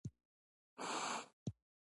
ګلان د چاپېریال د ښکلا برخه ده.